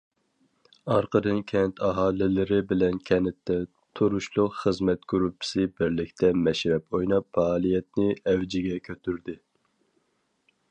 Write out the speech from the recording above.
ئارقىدىن كەنت ئاھالىلىرى بىلەن كەنتتە تۇرۇشلۇق خىزمەت گۇرۇپپىسى بىرلىكتە مەشرەپ ئويناپ پائالىيەتنى ئەۋجىگە كۆتۈردى.